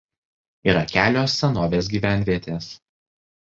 Yra kelios senovės gyvenvietės.